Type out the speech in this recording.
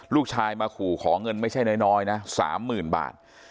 ลูกชายมาขู่ขอเงินไม่ใช่น้อยนะ๓๐๐๐บาท